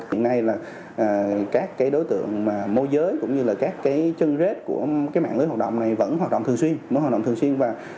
hiện nay các đối tượng môi giới cũng như các chân rết của mạng lưới hoạt động này vẫn hoạt động thường xuyên